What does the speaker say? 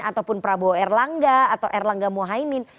ataupun prabowo erlangga atau erlangga mohaimin